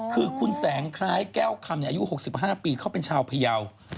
คือคุณแสงคล้ายแก้วคำอายุ๖๕ปีเขาเป็นชาวพยาว